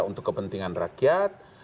untuk kepentingan rakyat